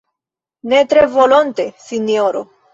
ne tre volonte, sinjoro.